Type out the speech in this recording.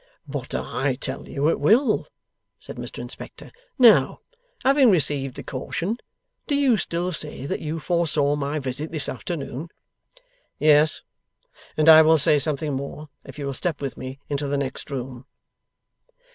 'But I tell you it will,' said Mr Inspector. 'Now, having received the caution, do you still say that you foresaw my visit this afternoon?' 'Yes. And I will say something more, if you will step with me into the next room.